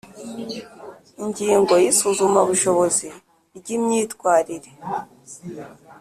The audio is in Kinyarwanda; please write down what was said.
Ingingo ya isuzumubushobozi ry imyitwarire